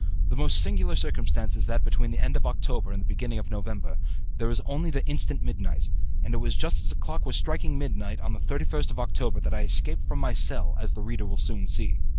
The most singular circumstance is that between the end of October and the beginning of November, there is only the instant midnight, and it was just as the clock was striking midnight on the 31st of October that I escaped from my cell, as the reader will soon see.